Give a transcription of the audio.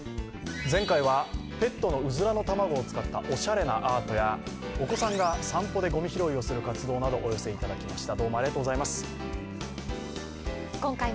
前回はペットのうずらの卵を使ったおしゃれなアートやお子さんが散歩でごみ拾いする活動などをお寄せいただきました。